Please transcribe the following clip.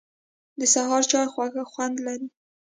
د سهار چای خوږ خوند لري